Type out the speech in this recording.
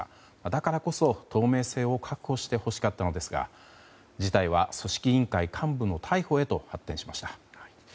だからこそ、透明性を確保してほしかったのですが事態は組織委員会幹部の逮捕へと発展しました。